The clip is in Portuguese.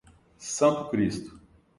Santo Cristo